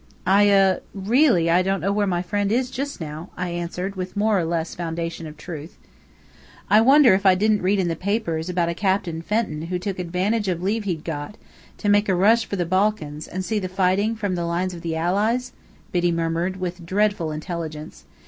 "I er really, I don't know where my friend is just now," I answered, with more or less foundation of truth. "I wonder if I didn't read in the papers about a Captain Fenton who took advantage of leave he'd got, to make a rush for the Balkans, and see the fighting from the lines of the Allies?" Biddy murmured with dreadful intelligence.